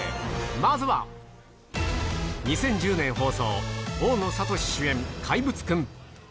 まずは、２０１０年放送、大野智主演、怪物くん。